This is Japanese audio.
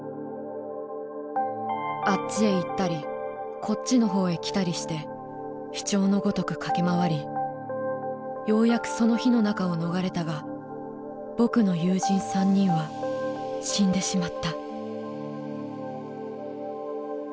あっちへ行ったりこっちの方へ来たりして飛鳥の如くかけまわりようやくその火の中を逃れたが僕の友人三人は死んでしまった」。